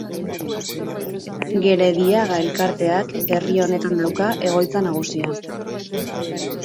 Gerediaga Elkarteak herri honetan dauka egoitza nagusia.